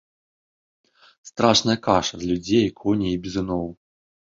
Страшная каша з людзей, коней і бізуноў.